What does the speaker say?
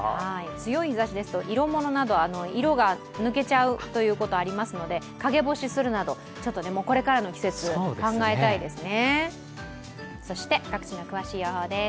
強い日ざしですと、色物など色が抜けちゃうことがありますので、陰干しするなどこれからの季節、考えたいですね。